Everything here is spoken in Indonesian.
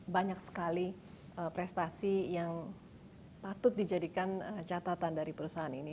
banyak sekali prestasi yang patut dijadikan catatan dari perusahaan ini